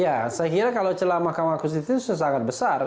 ya saya kira kalau celah mahkamah konstitusi sudah sangat besar